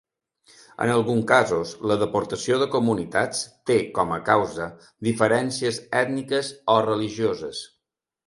En alguns casos la deportació de comunitats té com a causa diferències ètniques o religioses.